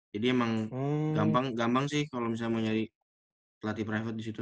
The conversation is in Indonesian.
jadi emang gampang sih kalau misalnya mau nyari pelatih private disitu